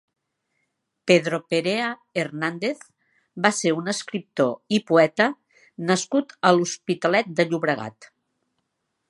Pedro Perea Hernández va ser un escriptor i poeta nascut a l'Hospitalet de Llobregat.